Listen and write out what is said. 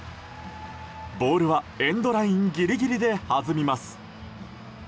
ボールはエンドラインギリギリで弾みます。